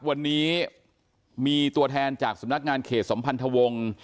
วันนี้มีตัวแทนจากสำนักงานเขตสัมพันธวงศ์